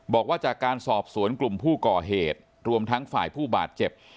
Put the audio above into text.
บอกว่าจากการสอบสวนกลุ่มผู้ก่อเหตุรวมทั้งฝ่ายผู้บาดเจ็บ